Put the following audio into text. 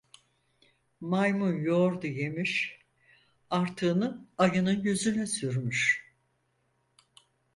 Maymun yoğurdu yemiş, artığını ayının yüzüne sürmüş.